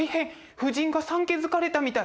夫人が産気づかれたみたい。